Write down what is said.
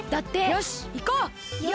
よしいこう！